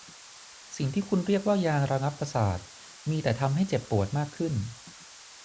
สิ่งที่คุณเรียกว่ายาระงับประสาทมีแต่ทำให้เจ็บปวดมากขึ้น